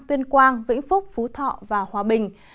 tuyên quang vĩnh phúc phú thọ và hòa bình